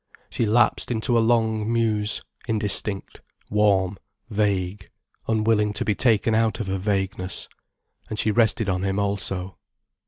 She lapsed into a long muse, indistinct, warm, vague, unwilling to be taken out of her vagueness. And she rested on him also.